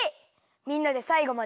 みんなでさいごまでいくよ！